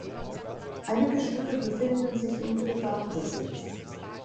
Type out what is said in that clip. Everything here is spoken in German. Einige Stücke befinden sich in Privatbesitz.